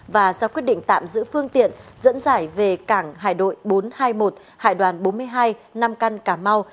và ra quyết định tạm giữ phương tiện dẫn giải về cảng hải đội bốn trăm hai mươi một hải đoàn bốn mươi hai nam căn cà mau